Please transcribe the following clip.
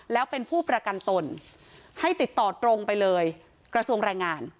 แล้วเป็นผู้ประกันตนให้ติดต่อตรงไปเลยกระทรวงแรงงาน